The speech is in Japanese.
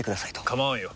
構わんよ。